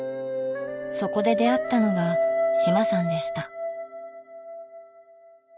そこで出会ったのが志麻さんでした。